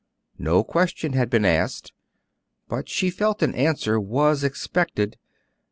No question had been asked, but she felt an answer was expected.